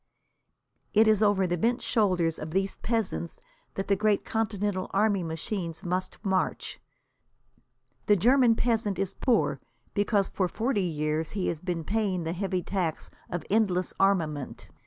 It is over the bent shoulders of these peasants that the great Continental army machines must march. The German peasant is poor, because for forty years he has been paying the heavy tax of endless armament.